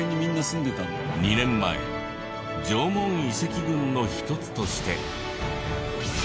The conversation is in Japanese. ２年前縄文遺跡群の一つとして。